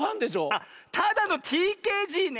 あっただのＴＫＧね。